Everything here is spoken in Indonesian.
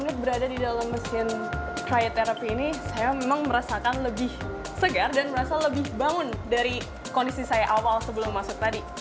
saya berada di dalam mesin cryoterapi ini saya memang merasakan lebih segar dan merasa lebih bangun dari kondisi saya awal sebelum masuk tadi